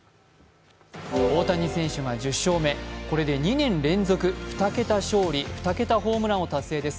大谷選手が１０勝目、これで２年連続２桁勝利、２桁ホームランを達成です。